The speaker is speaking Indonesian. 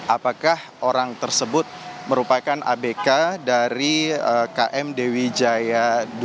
apakah orang tersebut merupakan abk dari km dewi jaya dua